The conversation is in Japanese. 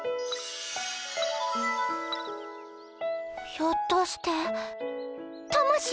ひょっとして魂？